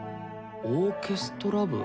オーケストラ部？